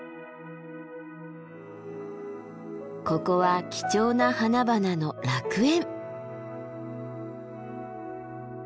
ここは貴重な花々の楽園。